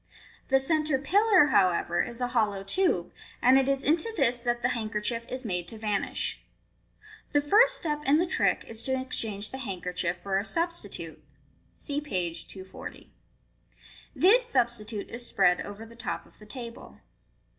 The centre pillar, however, is a hollow tube, and it is into this that the handkerchief is made to vanish. The first step in the trick is to exchange the handkerchief for a substitute. (See page 240.) This substitute is spread over the top of the table.